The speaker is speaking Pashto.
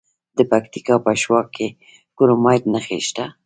د پکتیا په شواک کې د کرومایټ نښې شته.